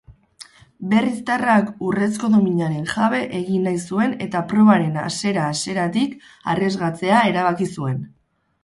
Berriztarrak urrezko dominaren jabe egin nahi zuen eta probaren hasera-haseratik arriesgatzea erabaki zuen.